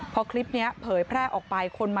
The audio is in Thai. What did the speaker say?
เพราะคลิปเนี่ยเผยแพร่ออกไปคนมาแสดงว่า